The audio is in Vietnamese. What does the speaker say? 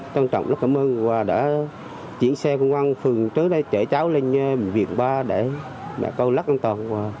trân trọng lắc cảm ơn và đã chuyển xe khu văn phường trước đây chở tráo lên viện ba để mẹ cô lắc an toàn